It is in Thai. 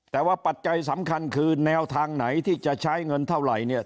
แต่ว่าปัจจัยสำคัญคือแนวทางไหนที่จะใช้เงินเท่าไหร่เนี่ย